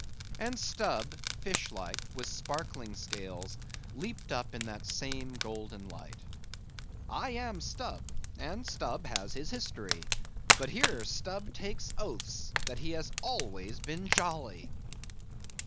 And Stubb, fish like, with sparkling scales, leaped up in that same golden light:— "I am Stubb, and Stubb has his history; but here Stubb takes oaths that he has always been jolly!"